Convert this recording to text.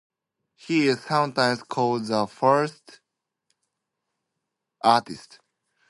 He is sometimes called the first Zionist artist.